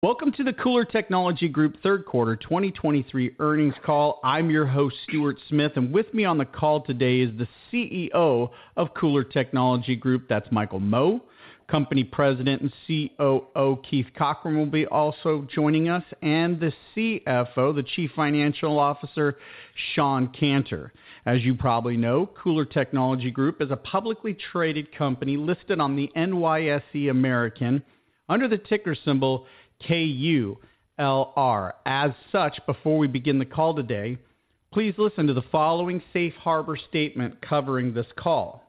Welcome to the KULR Technology Group third quarter 2023 earnings call. I'm your host, Stuart Smith, and with me on the call today is the CEO of KULR Technology Group, that's Michael Mo. Company President and COO Keith Cochran will be also joining us, and the CFO, the Chief Financial Officer, Shawn Canter. As you probably know, KULR Technology Group is a publicly traded company listed on the NYSE American under the ticker symbol K-U-L-R. As such, before we begin the call today, please listen to the following safe harbor statement covering this call.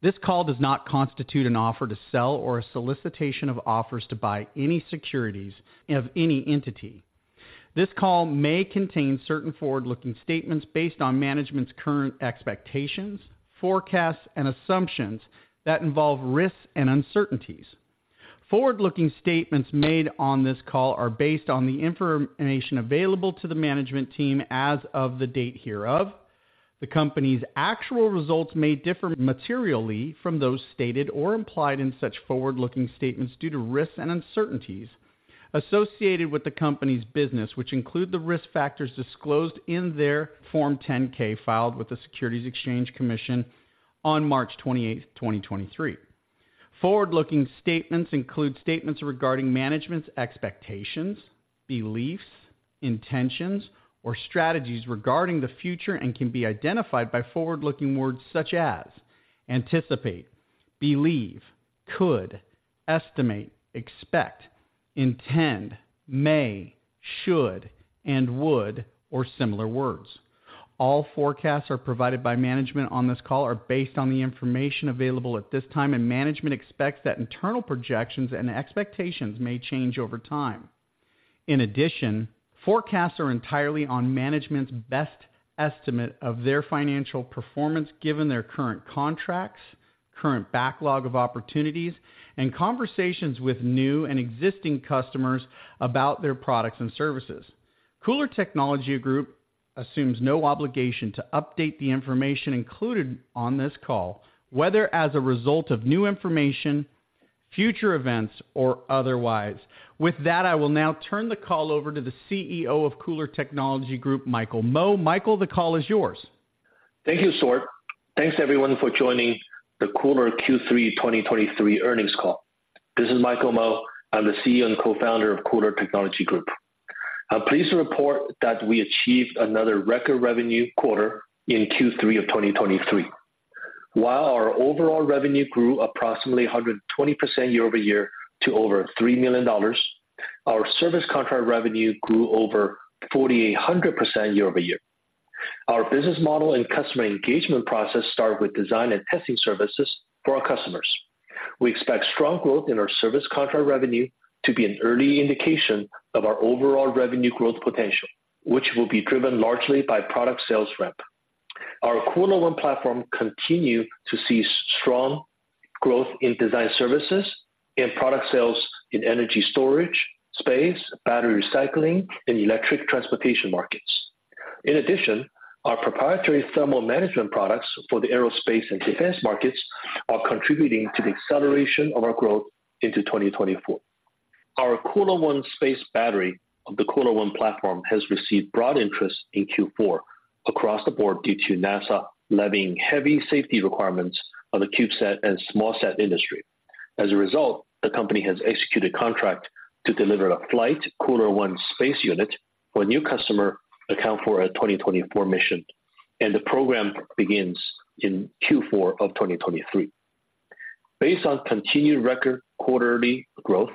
This call does not constitute an offer to sell or a solicitation of offers to buy any securities of any entity. This call may contain certain forward-looking statements based on management's current expectations, forecasts, and assumptions that involve risks and uncertainties. Forward-looking statements made on this call are based on the information available to the management team as of the date hereof. The company's actual results may differ materially from those stated or implied in such forward-looking statements due to risks and uncertainties associated with the company's business, which include the risk factors disclosed in their Form 10-K filed with the Securities and Exchange Commission on March 28, 2023. Forward-looking statements include statements regarding management's expectations, beliefs, intentions, or strategies regarding the future, and can be identified by forward-looking words such as: anticipate, believe, could, estimate, expect, intend, may, should, and would, or similar words. All forecasts are provided by management on this call are based on the information available at this time, and management expects that internal projections and expectations may change over time. In addition, forecasts are entirely on management's best estimate of their financial performance, given their current contracts, current backlog of opportunities, and conversations with new and existing customers about their products and services. KULR Technology Group assumes no obligation to update the information included on this call, whether as a result of new information, future events, or otherwise. With that, I will now turn the call over to the CEO of KULR Technology Group, Michael Mo. Michael, the call is yours. Thank you, Stuart. Thanks, everyone, for joining the KULR Q3 2023 earnings call. This is Michael Mo, I'm the CEO and co-founder of KULR Technology Group. I'm pleased to report that we achieved another record revenue quarter in Q3 of 2023. While our overall revenue grew approximately 120% year-over-year to over $3 million, our service contract revenue grew over 4,800% year-over-year. Our business model and customer engagement process start with design and testing services for our customers. We expect strong growth in our service contract revenue to be an early indication of our overall revenue growth potential, which will be driven largely by product sales rep. Our KULR ONE platform continue to see strong growth in design services and product sales in energy storage, space, battery recycling, and electric transportation markets. In addition, our proprietary thermal management products for the aerospace and defense markets are contributing to the acceleration of our growth into 2024. Our KULR ONE Space battery of the KULR ONE platform has received broad interest in Q4 across the board due to NASA levying heavy safety requirements on the CubeSat and SmallSat industry. As a result, the company has executed contract to deliver a flight KULR ONE Space unit for a new customer account for a 2024 mission, and the program begins in Q4 of 2023. Based on continued record quarterly growth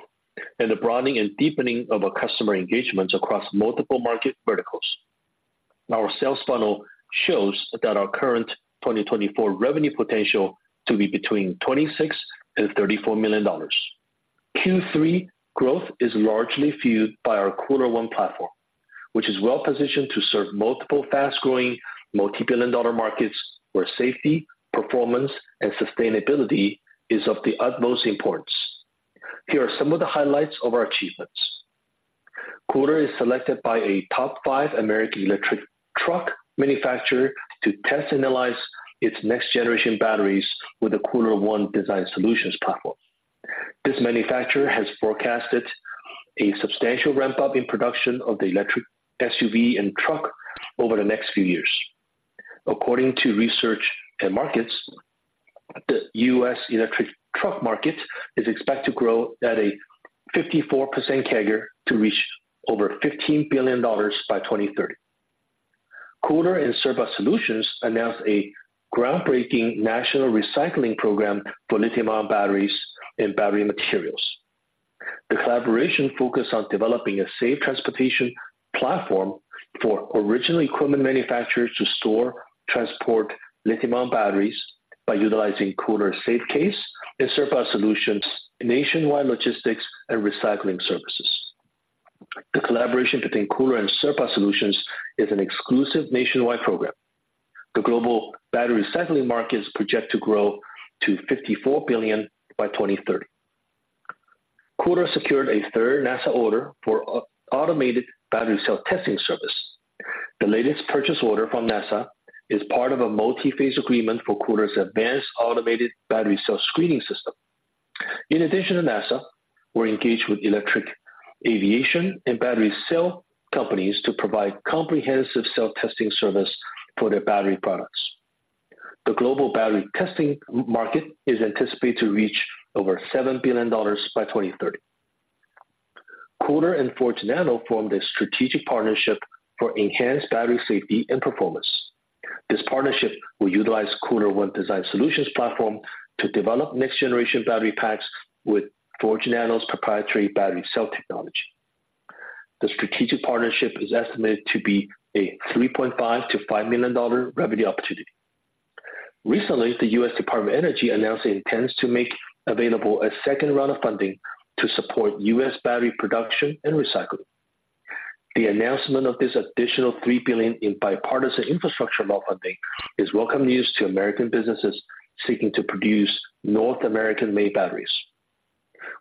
and the broadening and deepening of our customer engagements across multiple market verticals, our sales funnel shows that our current 2024 revenue potential to be between $26 million and $34 million. Q3 growth is largely fueled by our KULR ONE platform, which is well positioned to serve multiple fast-growing, multi-billion dollar markets, where safety, performance, and sustainability is of the utmost importance. Here are some of the highlights of our achievements. KULR is selected by a top five American electric truck manufacturer to test analyze its next generation batteries with the KULR ONE design solutions platform. This manufacturer has forecasted a substantial ramp-up in production of the electric SUV and truck over the next few years. According to Research and Markets, the U.S. electric truck market is expected to grow at a 54% CAGR to reach over $15 billion by 2030. KULR and Cirba Solutions announced a groundbreaking national recycling program for lithium-ion batteries and battery materials. The collaboration focused on developing a safe transportation platform for original equipment manufacturers to store, transport lithium-ion batteries by utilizing KULR SafeCASE and Cirba Solutions' nationwide logistics and recycling services. The collaboration between KULR and Cirba Solutions is an exclusive nationwide program. The global battery recycling market is projected to grow to $54 billion by 2030. KULR secured a third NASA order for automated battery cell testing service. The latest purchase order from NASA is part of a multi-phase agreement for KULR's advanced automated battery cell screening system. In addition to NASA, we're engaged with electric aviation and battery cell companies to provide comprehensive cell testing service for their battery products. The global battery testing market is anticipated to reach over $7 billion by 2030. KULR and Forge Nano formed a strategic partnership for enhanced battery safety and performance. This partnership will utilize KULR ONE Design Solutions platform to develop next-generation battery packs with Forge Nano's proprietary battery cell technology. The strategic partnership is estimated to be a $3.5-$5 million revenue opportunity. Recently, the U.S. Department of Energy announced it intends to make available a second round of funding to support U.S. battery production and recycling. The announcement of this additional $3 billion in bipartisan infrastructure law funding is welcome news to American businesses seeking to produce North American-made batteries.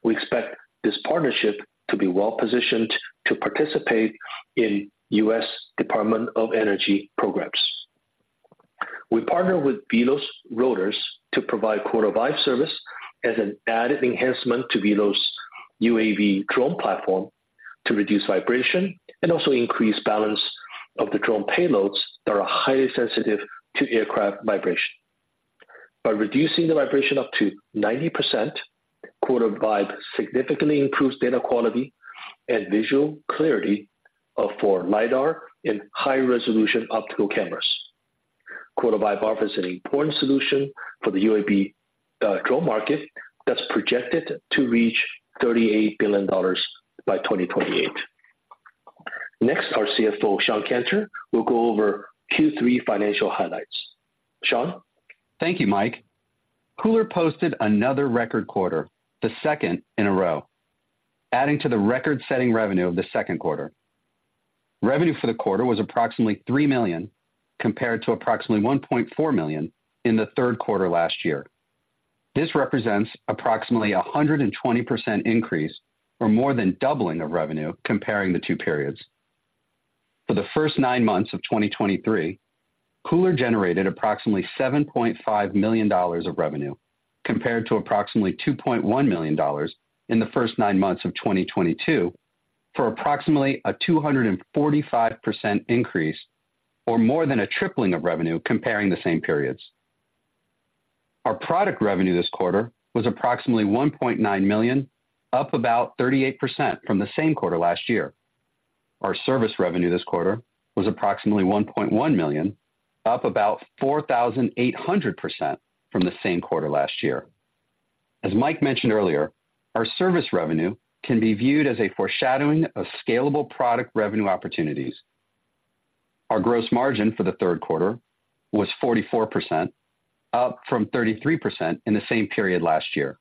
We expect this partnership to be well-positioned to participate in U.S. Department of Energy programs. We partnered with Velos Rotors to provide KULR Vibe service as an added enhancement to Velos' UAV drone platform to reduce vibration and also increase balance of the drone payloads that are highly sensitive to aircraft vibration. By reducing the vibration up to 90%, KULR Vibe significantly improves data quality and visual clarity for LiDAR and high-resolution optical cameras. KULR Vibe offers an important solution for the UAV drone market that's projected to reach $38 billion by 2028. Next, our CFO, Shawn Canter, will go over Q3 financial highlights. Shawn? Thank you, Mike. KULR posted another record quarter, the second in a row, adding to the record-setting revenue of the second quarter. Revenue for the quarter was approximately $3 million, compared to approximately $1.4 million in the third quarter last year. This represents approximately a 120% increase, or more than doubling of revenue comparing the two periods. For the first nine months of 2023, KULR generated approximately $7.5 million of revenue, compared to approximately $2.1 million in the first nine months of 2022, for approximately a 245% increase, or more than a tripling of revenue comparing the same periods. Our product revenue this quarter was approximately $1.9 million, up about 38% from the same quarter last year. Our service revenue this quarter was approximately $1.1 million, up about 4,800% from the same quarter last year. As Mike mentioned earlier, our service revenue can be viewed as a foreshadowing of scalable product revenue opportunities. Our gross margin for the third quarter was 44%, up from 33% in the same period last year.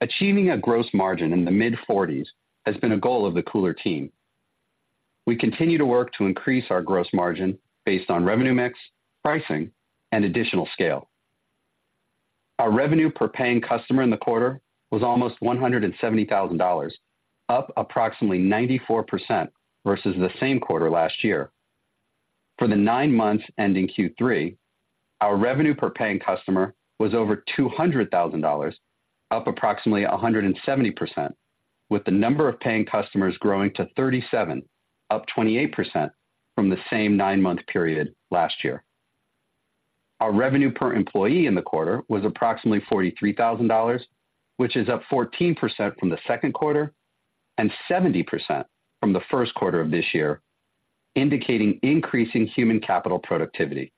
Achieving a gross margin in the mid-40s has been a goal of the KULR team. We continue to work to increase our gross margin based on revenue mix, pricing, and additional scale. Our revenue per paying customer in the quarter was almost $170,000, up approximately 94% versus the same quarter last year. For the 9 months ending Q3, our revenue per paying customer was over $200,000, up approximately 170%, with the number of paying customers growing to 37, up 28% from the same 9-month period last year. Our revenue per employee in the quarter was approximately $43,000, which is up 14% from the second quarter and 70% from the first quarter of this year, indicating increasing human capital productivity.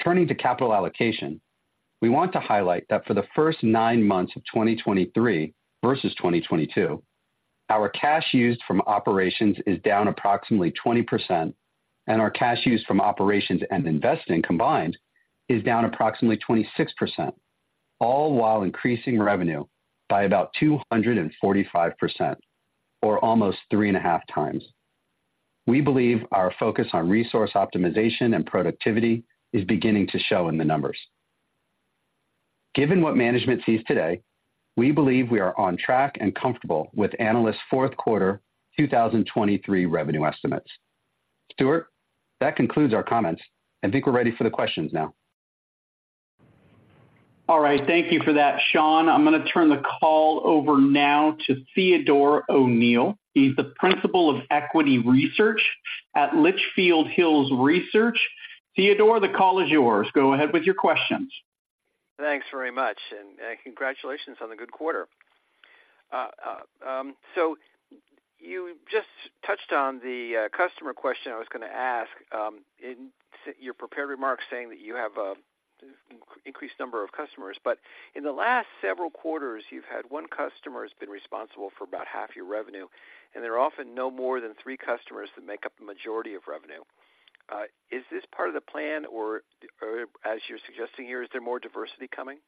Turning to capital allocation, we want to highlight that for the first 9 months of 2023 versus 2022, our cash used from operations is down approximately 20%, and our cash used from operations and investing combined is down approximately 26%, all while increasing revenue by about 245%, or almost 3.5 times. We believe our focus on resource optimization and productivity is beginning to show in the numbers. Given what management sees today, we believe we are on track and comfortable with analysts' fourth quarter 2023 revenue estimates. Stuart, that concludes our comments. I think we're ready for the questions now. All right. Thank you for that, Shawn. I'm going to turn the call over now to Theodore O'Neill. He's the Principal of Equity Research at Litchfield Hills Research. Theodore, the call is yours. Go ahead with your questions. Thanks very much, and congratulations on the good quarter. So you just touched on the customer question I was gonna ask in your prepared remarks, saying that you have increased number of customers. But in the last several quarters, you've had one customer who's been responsible for about half your revenue, and there are often no more than three customers that make up the majority of revenue. Is this part of the plan, or as you're suggesting here, is there more diversity coming?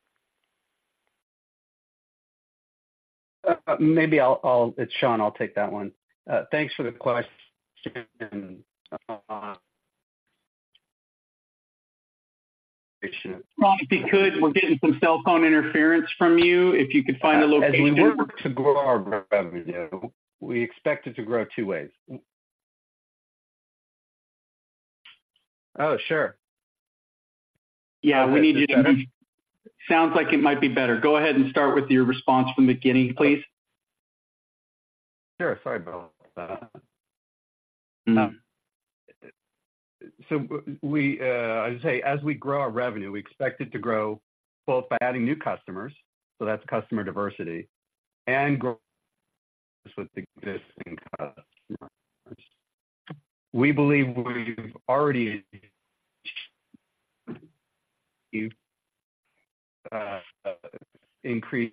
It's Shawn. I'll take that one. Thanks for the question.... Shawn, if you could, we're getting some cell phone interference from you. If you could find a location- As we work to grow our revenue, we expect it to grow two ways. Oh, sure. Yeah, we need you to- Sounds like it might be better. Go ahead and start with your response from the beginning, please. Sure. Sorry about that. So we, I would say as we grow our revenue, we expect it to grow both by adding new customers, so that's customer diversity, and grow with existing customers. We believe we've already increased,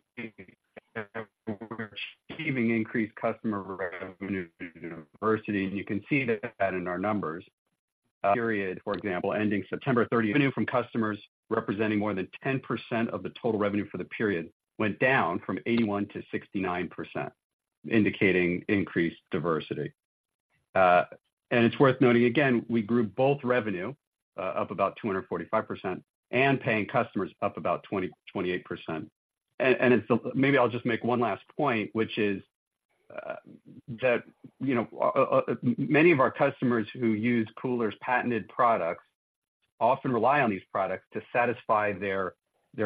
achieving increased customer revenue diversity, and you can see that in our numbers. For the period, for example, ending September 30, revenue from customers representing more than 10% of the total revenue for the period went down from 81% to 69%, indicating increased diversity. And it's worth noting again, we grew both revenue up about 245%, and paying customers up about 28%. And it's... Maybe I'll just make one last point, which is, that, you know, many of our customers who use KULR's patented products often rely on these products to satisfy their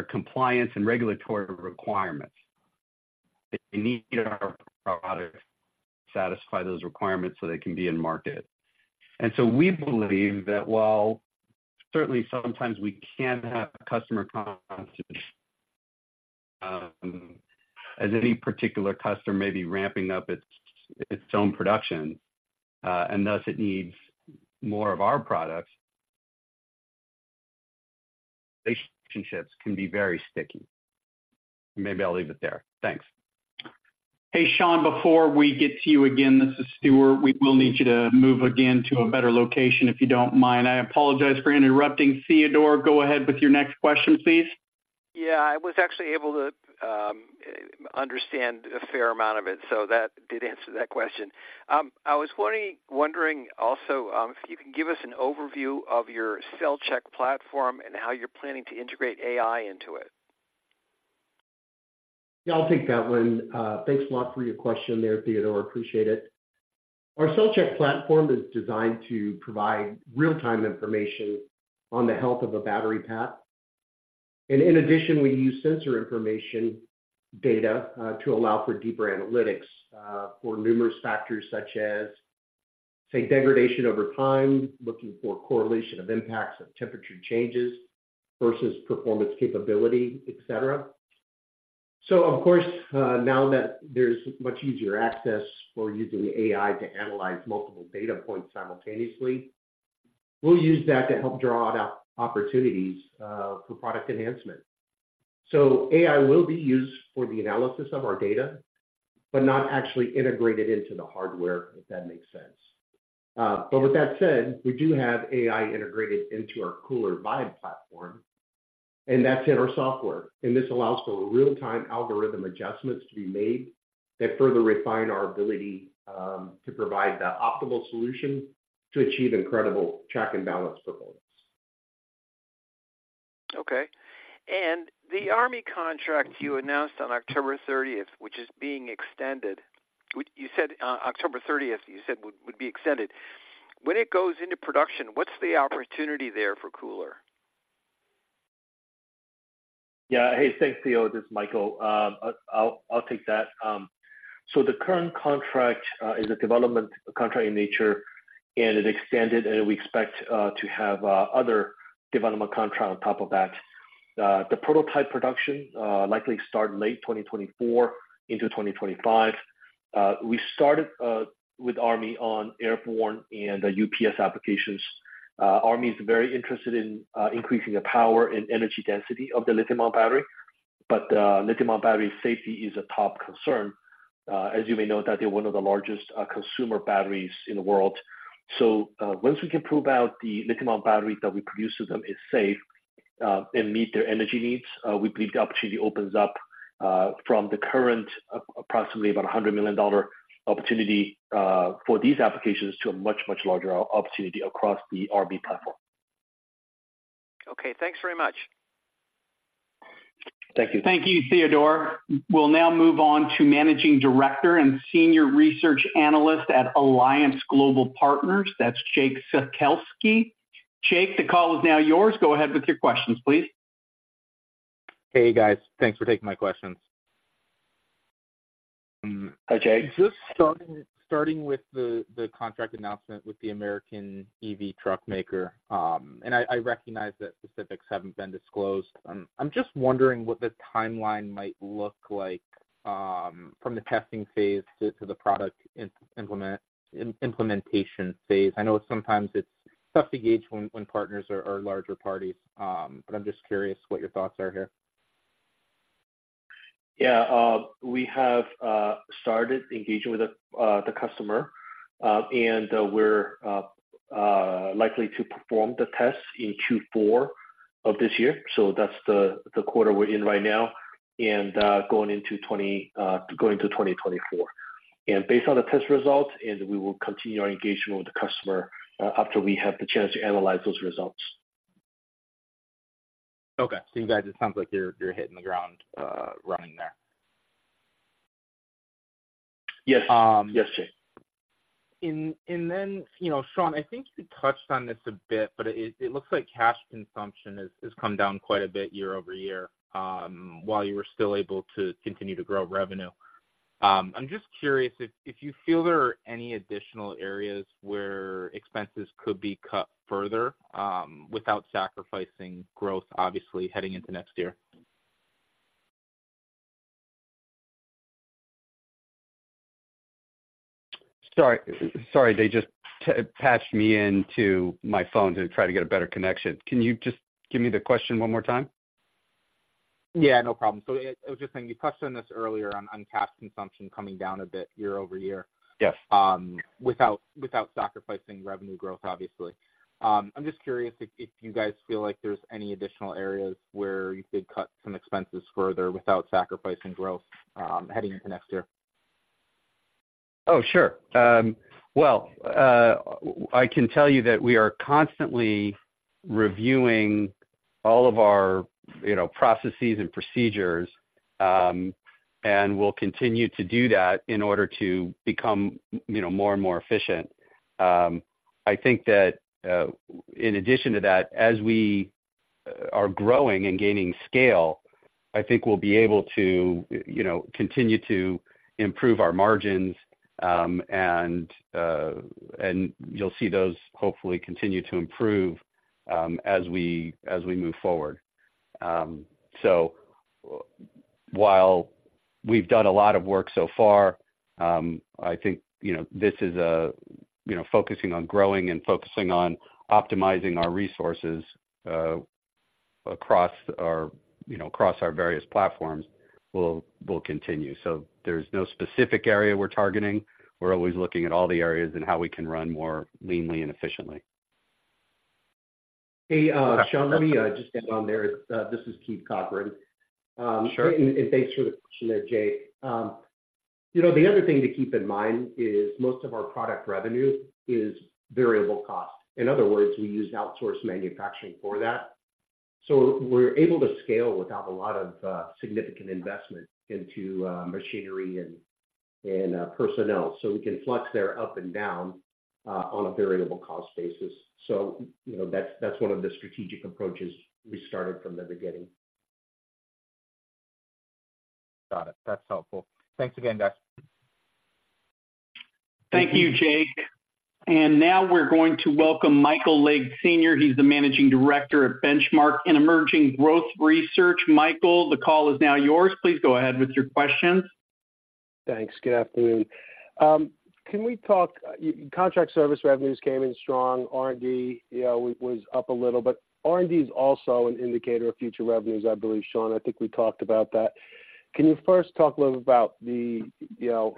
compliance and regulatory requirements. They need our products to satisfy those requirements so they can be in market. And so we believe that while certainly sometimes we can have customer confidence, as any particular customer may be ramping up its own production, and thus it needs more of our products, relationships can be very sticky. Maybe I'll leave it there. Thanks. Hey, Shawn, before we get to you again, this is Stuart. We will need you to move again to a better location, if you don't mind. I apologize for interrupting. Theodore, go ahead with your next question, please. Yeah, I was actually able to understand a fair amount of it, so that did answer that question. I was wondering also if you can give us an overview of your CellCheck platform and how you're planning to integrate AI into it? Yeah, I'll take that one. Thanks a lot for your question there, Theodore. Appreciate it. Our CellCheck platform is designed to provide real-time information on the health of a battery pack. And in addition, we use sensor information data to allow for deeper analytics for numerous factors such as, say, degradation over time, looking for correlation of impacts of temperature changes versus performance capability, et cetera. So of course, now that there's much easier access for using AI to analyze multiple data points simultaneously, we'll use that to help draw out opportunities for product enhancement. So AI will be used for the analysis of our data, but not actually integrated into the hardware, if that makes sense. But with that said, we do have AI integrated into our KULR-Vibe platform, and that's in our software. This allows for real-time algorithm adjustments to be made that further refine our ability to provide the optimal solution to achieve incredible track and balance performance. Okay. And the Army contract you announced on October thirtieth, which is being extended, which you said October thirtieth you said would be extended. When it goes into production, what's the opportunity there for KULR? Yeah. Hey, thanks, Theodore. This is Michael. I'll, I'll take that. So the current contract is a development contract in nature, and it extended, and we expect to have other development contract on top of that. The prototype production likely start late 2024 into 2025. We started with Army on airborne and UPS applications. Army is very interested in increasing the power and energy density of the lithium-ion battery, but lithium-ion battery safety is a top concern. As you may know, that they're one of the largest consumer batteries in the world. So, once we can prove out the lithium-ion battery that we produce to them is safe, and meet their energy needs, we believe the opportunity opens up, from the current approximately about $100 million opportunity, for these applications, to a much, much larger opportunity across the RB platform. Okay, thanks very much. Thank you. Thank you, Theodore. We'll now move on to managing director and senior research analyst at Alliance Global Partners. That's Jake Sekelsky. Jake, the call is now yours. Go ahead with your questions, please. Hey, guys. Thanks for taking my questions. Hi, Jake. Just starting with the contract announcement with the American EV truckmaker, and I recognize that specifics haven't been disclosed. I'm just wondering what the timeline might look like from the testing phase to the product implementation phase. I know sometimes it's tough to gauge when partners are larger parties, but I'm just curious what your thoughts are here. Yeah, we have started engaging with the customer, and we're likely to perform the tests in Q4 of this year. So that's the quarter we're in right now and going into 2024... and based on the test results, and we will continue our engagement with the customer after we have the chance to analyze those results. Okay. So you guys, it sounds like you're hitting the ground running there. Yes. Um. Yes, Jake. Then, you know, Shawn, I think you touched on this a bit, but it looks like cash consumption has come down quite a bit year-over-year, while you were still able to continue to grow revenue. I'm just curious if you feel there are any additional areas where expenses could be cut further, without sacrificing growth, obviously, heading into next year? Sorry, sorry, they just patched me into my phone to try to get a better connection. Can you just give me the question one more time? Yeah, no problem. So I, I was just saying, you touched on this earlier on, on cash consumption coming down a bit year-over-year- Yes. Without sacrificing revenue growth, obviously. I'm just curious if you guys feel like there's any additional areas where you could cut some expenses further without sacrificing growth, heading into next year. Oh, sure. I can tell you that we are constantly reviewing all of our, you know, processes and procedures, and we'll continue to do that in order to become, you know, more and more efficient. I think that, in addition to that, as we are growing and gaining scale, I think we'll be able to, you know, continue to improve our margins, and, and you'll see those hopefully continue to improve, as we, as we move forward. So while we've done a lot of work so far, I think, you know, this is a, you know, focusing on growing and focusing on optimizing our resources, across our, you know, across our various platforms will, will continue. So there's no specific area we're targeting. We're always looking at all the areas and how we can run more leanly and efficiently. Hey, Shawn, let me just get on there. This is Keith Cochran. Sure. And thanks for the question there, Jake. You know, the other thing to keep in mind is most of our product revenues is variable cost. In other words, we use outsourced manufacturing for that. So we're able to scale without a lot of significant investment into machinery and personnel. So we can flex there up and down on a variable cost basis. So, you know, that's one of the strategic approaches we started from the beginning. Got it. That's helpful. Thanks again, guys. Thank you, Jake. Now we're going to welcome Michael Legg Sr. He's the Managing Director at Benchmark Emerging Growth Research. Michael, the call is now yours. Please go ahead with your questions. Thanks. Good afternoon. Can we talk, contract service revenues came in strong. R&D, you know, was up a little, but R&D is also an indicator of future revenues, I believe, Shawn, I think we talked about that. Can you first talk a little about the, you know,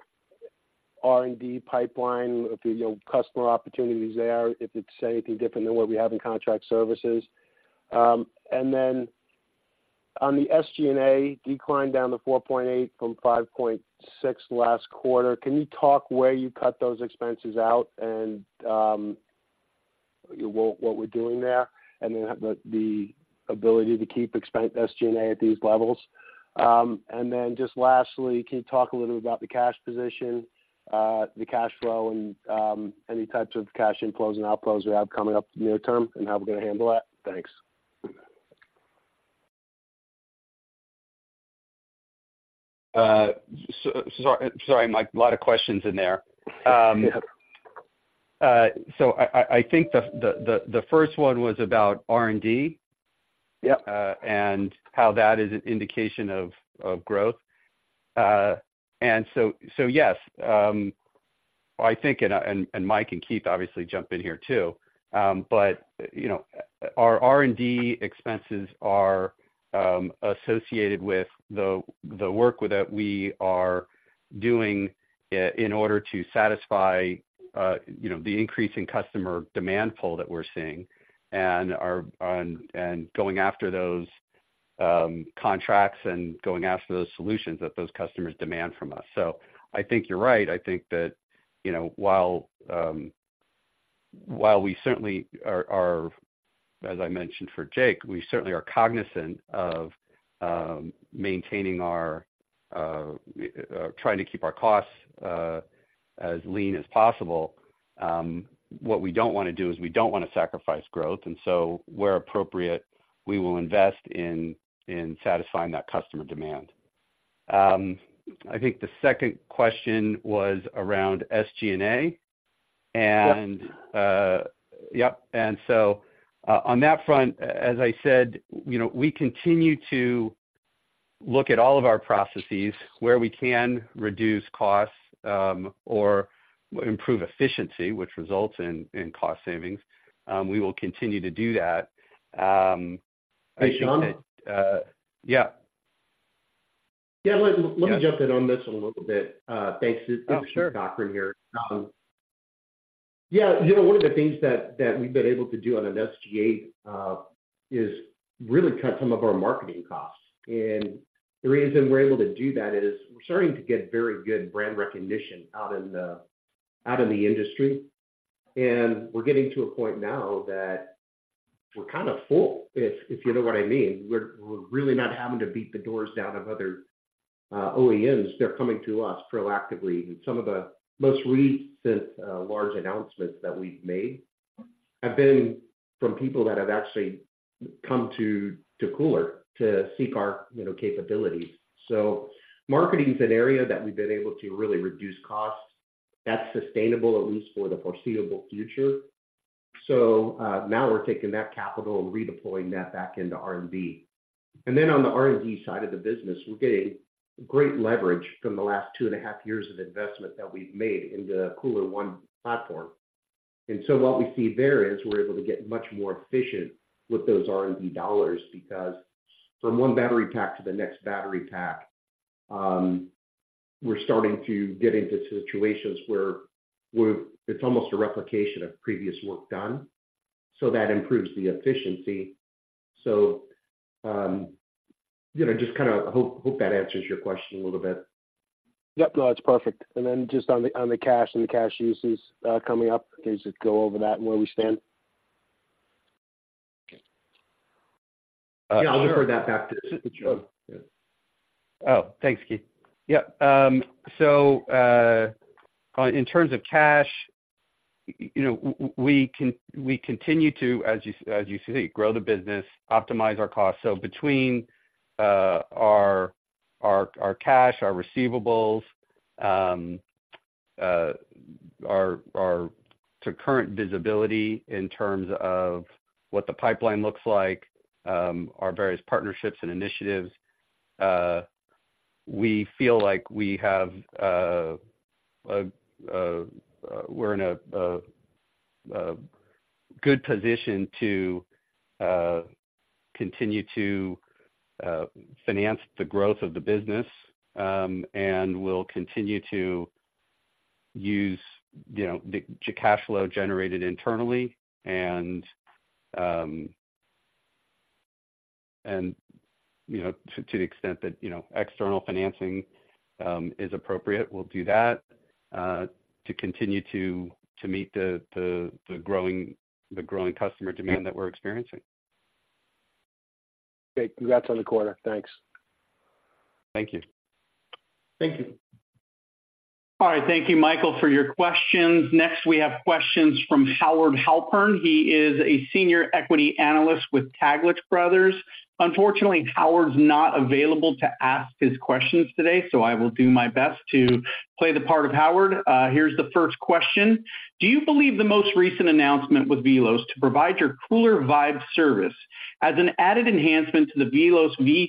R&D pipeline, if, you know, customer opportunities there, if it's anything different than what we have in contract services? And then on the SG&A declined down to 4.8 from 5.6 last quarter, can you talk where you cut those expenses out and, what we're doing there, and then the ability to keep expense SG&A at these levels? And then just lastly, can you talk a little bit about the cash position, the cash flow, and any types of cash inflows and outflows you have coming up near term and how we're going to handle that? Thanks. Sorry, Mike, a lot of questions in there. Yeah. So I think the first one was about R&D. Yep. And how that is an indication of growth. And so yes, I think Mike and Keith obviously jump in here too. But, you know, our R&D expenses are associated with the work that we are doing in order to satisfy you know, the increasing customer demand pool that we're seeing and going after those contracts and going after those solutions that those customers demand from us. So I think you're right. I think that, you know, while we certainly are, as I mentioned for Jake, we certainly are cognizant of maintaining our trying to keep our costs as lean as possible. What we don't want to do is we don't want to sacrifice growth, and so where appropriate, we will invest in satisfying that customer demand. I think the second question was around SG&A, and- Yes. Yep. And so, on that front, as I said, you know, we continue to look at all of our processes where we can reduce costs, or improve efficiency, which results in cost savings. We will continue to do that. Hey, Shawn? Yeah. Yeah. Let me jump in on this a little bit. Thanks. Oh, sure. This is Cochran here. Yeah, you know, one of the things that, that we've been able to do on an SG&A is really cut some of our marketing costs. And the reason we're able to do that is we're starting to get very good brand recognition out in the, out in the industry. And we're getting to a point now that we're kind of full, if, if you know what I mean. We're, we're really not having to beat the doors down of other OEMs. They're coming to us proactively. And some of the most recent large announcements that we've made have been from people that have actually come to KULR to seek our, you know, capabilities. So marketing is an area that we've been able to really reduce costs. That's sustainable, at least for the foreseeable future. So, now we're taking that capital and redeploying that back into R&D. And then on the R&D side of the business, we're getting great leverage from the last 2.5 years of investment that we've made in the KULR ONE platform. And so what we see there is we're able to get much more efficient with those R&D dollars, because from one battery pack to the next battery pack, we're starting to get into situations where we're—it's almost a replication of previous work done, so that improves the efficiency. So, you know, just kinda hope that answers your question a little bit. Yep. No, it's perfect. And then just on the, on the cash and the cash uses, coming up, can you just go over that and where we stand? Yeah, I'll defer that back to Joe. Oh, thanks, Keith. Yep. In terms of cash, you know, we continue to, as you say, grow the business, optimize our costs. So between our cash, our receivables, our current visibility in terms of what the pipeline looks like, our various partnerships and initiatives, we feel like we have, we're in a good position to continue to finance the growth of the business. And we'll continue to use, you know, the cash flow generated internally and, you know, to the extent that, you know, external financing is appropriate, we'll do that, to continue to meet the growing customer demand that we're experiencing. Great. Congrats on the quarter. Thanks. Thank you. Thank you. All right. Thank you, Michael, for your questions. Next, we have questions from Howard Halpern. He is a Senior Equity Analyst with Taglich Brothers. Unfortunately, Howard's not available to ask his questions today, so I will do my best to play the part of Howard. Here's the first question: Do you believe the most recent announcement with Velos to provide your KULR-Vibe service as an added enhancement to the Velos V3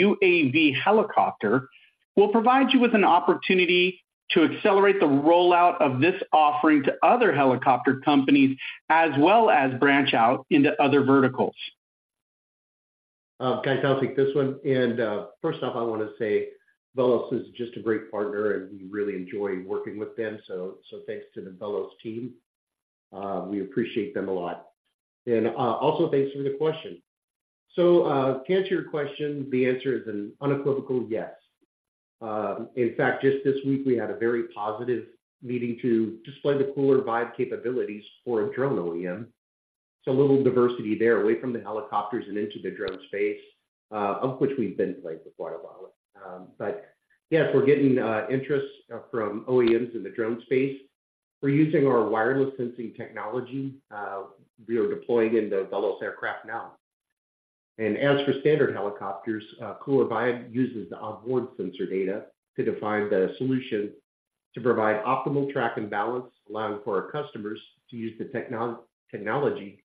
UAV helicopter, will provide you with an opportunity to accelerate the rollout of this offering to other helicopter companies, as well as branch out into other verticals? Guys, I'll take this one. And first off, I wanna say, Velos is just a great partner, and we really enjoy working with them. So thanks to the Velos team. We appreciate them a lot. And also, thanks for the question. So to answer your question, the answer is an unequivocal yes. In fact, just this week, we had a very positive meeting to display the KULR Vibe capabilities for a drone OEM. So a little diversity there, away from the helicopters and into the drone space, of which we've been playing with quite a while. But yes, we're getting interest from OEMs in the drone space. We're using our wireless sensing technology, we are deploying in the Velos aircraft now. As for standard helicopters, KULR-Vibe uses the onboard sensor data to define the solution to provide optimal track and balance, allowing for our customers to use the technology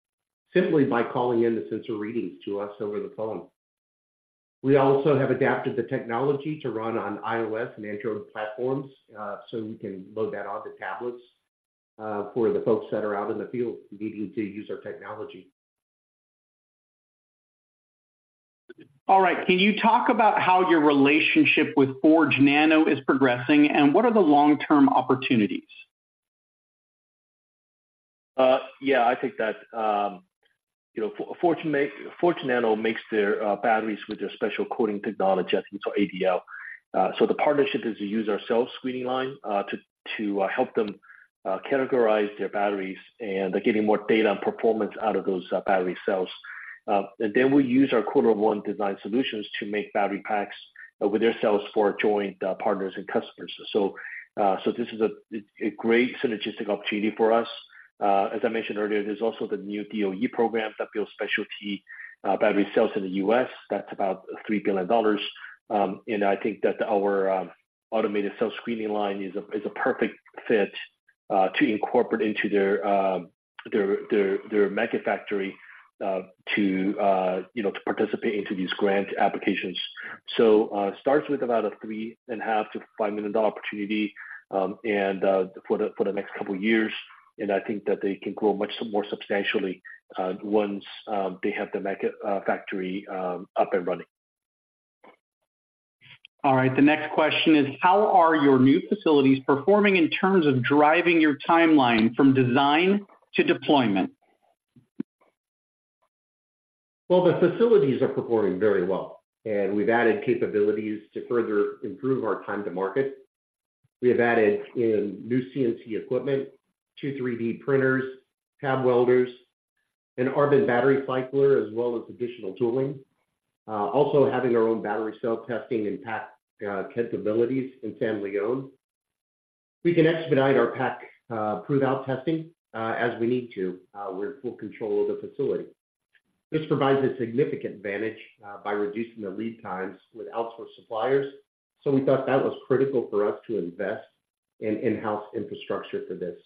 simply by calling in the sensor readings to us over the phone. We also have adapted the technology to run on iOS and Android platforms, so we can load that onto tablets, for the folks that are out in the field needing to use our technology. All right. Can you talk about how your relationship with Forge Nano is progressing, and what are the long-term opportunities? Yeah, I'll take that. You know, Forge Nano makes their batteries with their special coating technology, I think it's ALD. So the partnership is to use our cell screening line to help them categorize their batteries, and they're getting more data and performance out of those battery cells. And then we use our KULR ONE design solutions to make battery packs with their cells for joint partners and customers. So this is a great synergistic opportunity for us. As I mentioned earlier, there's also the new DOE program that builds specialty battery cells in the US. That's about $3 billion. I think that our automated cell screening line is a perfect fit to incorporate into their mega factory, you know, to participate into these grant applications. So, it starts with about a $3.5-$5 million opportunity, and for the next couple of years. I think that they can grow much more substantially, once they have the mega factory up and running.... All right, the next question is: how are your new facilities performing in terms of driving your timeline from design to deployment? Well, the facilities are performing very well, and we've added capabilities to further improve our time to market. We have added in new CNC equipment, two 3D printers, tab welders, an Arbin Battery Cycler, as well as additional tooling. Also having our own battery cell testing and pack capabilities in San Leandro. We can expedite our pack prove-out testing as we need to. We're in full control of the facility. This provides a significant advantage by reducing the lead times with outsourced suppliers, so we thought that was critical for us to invest in in-house infrastructure for this.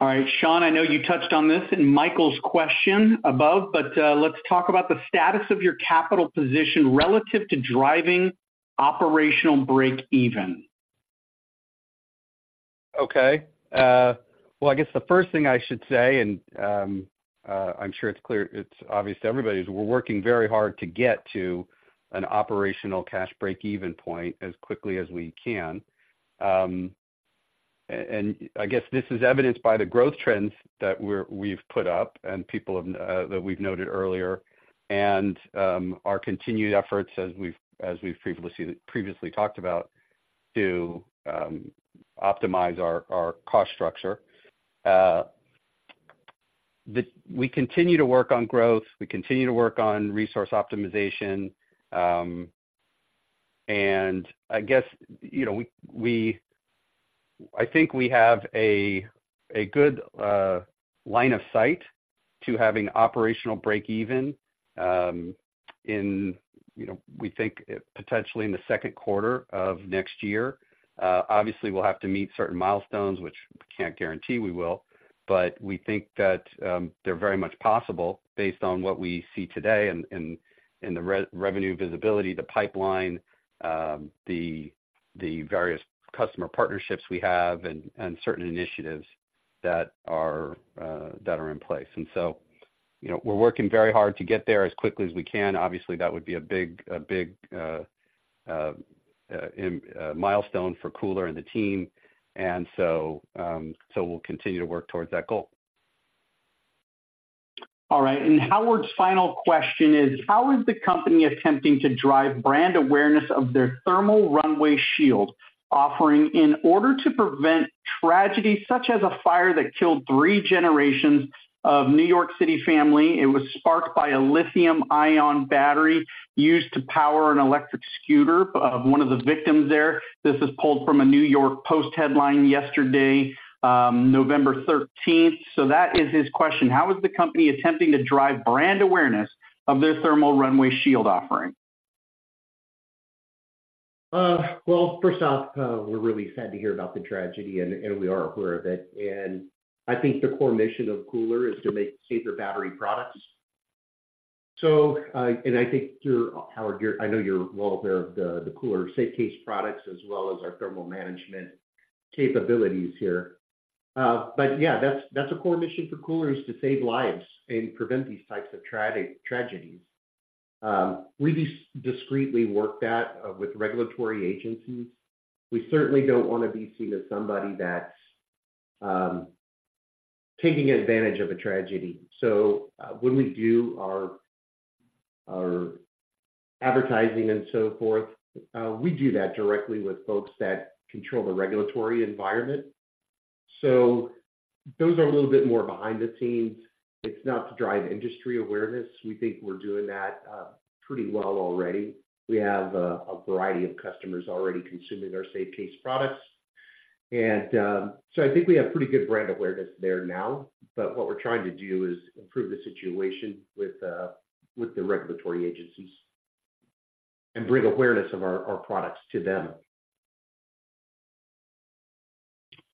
All right, Shawn, I know you touched on this in Michael's question above, but, let's talk about the status of your capital position relative to driving operational break-even. Okay. Well, I guess the first thing I should say, and I'm sure it's clear—it's obvious to everybody, is we're working very hard to get to an operational cash break-even point as quickly as we can. And I guess this is evidenced by the growth trends that we've put up, and people have that we've noted earlier, and our continued efforts as we've previously talked about, to optimize our cost structure. We continue to work on growth. We continue to work on resource optimization. And I guess, you know, we—I think we have a good line of sight to having operational break-even, you know, we think potentially in the second quarter of next year. Obviously, we'll have to meet certain milestones, which we can't guarantee we will, but we think that they're very much possible based on what we see today and the revenue visibility, the pipeline, the various customer partnerships we have, and certain initiatives that are in place. So, you know, we're working very hard to get there as quickly as we can. Obviously, that would be a big milestone for KULR and the team, so we'll continue to work towards that goal. All right, and Howard's final question is: how is the company attempting to drive brand awareness of their Thermal Runaway Shield offering in order to prevent tragedies, such as a fire that killed three generations of New York City family? It was sparked by a lithium-ion battery used to power an electric scooter of one of the victims there. This is pulled from a New York Post headline yesterday, November thirteenth. So that is his question: how is the company attempting to drive brand awareness of their Thermal Runaway Shield offering? Well, first off, we're really sad to hear about the tragedy, and we are aware of it. I think the core mission of KULR is to make safer battery products. I think you're, Howard, well aware of the KULR SafeCASE products as well as our thermal management capabilities here. That's a core mission for KULR, to save lives and prevent these types of tragedies. We discreetly work that with regulatory agencies. We certainly don't wanna be seen as somebody that's taking advantage of a tragedy. When we do our advertising and so forth, we do that directly with folks that control the regulatory environment. Those are a little bit more behind the scenes. It's not to drive industry awareness. We think we're doing that pretty well already. We have a variety of customers already consuming our Safe Case products, and so I think we have pretty good brand awareness there now. But what we're trying to do is improve the situation with the regulatory agencies and bring awareness of our products to them.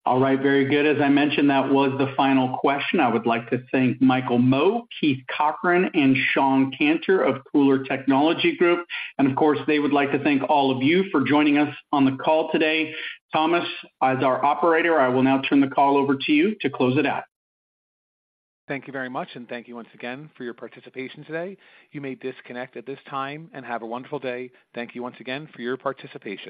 All right, very good. As I mentioned, that was the final question. I would like to thank Michael Mo, Keith Cochran, and Shawn Canter of KULR Technology Group, and of course, they would like to thank all of you for joining us on the call today. Thomas, as our operator, I will now turn the call over to you to close it out. Thank you very much, and thank you once again for your participation today. You may disconnect at this time, and have a wonderful day. Thank you once again for your participation.